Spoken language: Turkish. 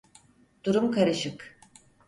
Durum karışık.